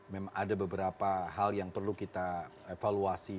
memang ada beberapa hal yang perlu kita evaluasi